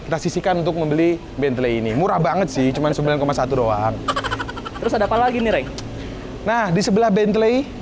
tas itu cook nation t demi bentley ini nurag banget sih cuman sembilan satu doang terus ada paso di se department